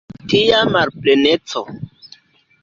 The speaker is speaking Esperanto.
Tia malpleneco!